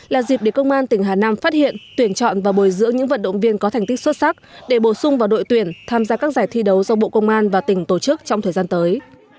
là dịp để công an tỉnh hà nam phát hiện tuyển chọn và bồi dưỡng những vận động viên có thành tích xuất sắc để bổ sung vào đội tuyển tham gia các giải thi đấu do bộ công an và tỉnh tổ chức trong thời gian tới